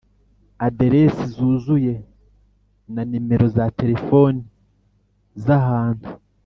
Aderesi zuzuye na nimero za telefoni z ahantu